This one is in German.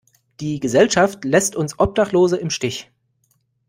Die Gesellschaft lässt uns Obdachlose im Stich.